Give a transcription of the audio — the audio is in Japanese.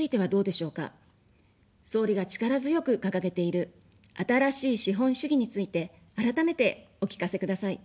総理が力強く掲げている「新しい資本主義」について、改めてお聞かせください。